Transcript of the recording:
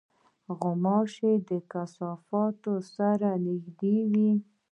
غوماشې د کثافاتو سره نزدې وي.